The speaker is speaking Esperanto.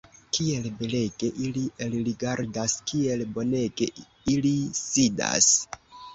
Kiel belege ili elrigardas, kiel bonege ili sidas!